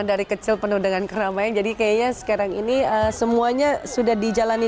dari kecil penuh dengan keramaian jadi kayaknya sekarang ini semuanya sudah dijalani